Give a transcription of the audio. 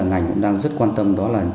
ngành cũng đang rất quan tâm đó là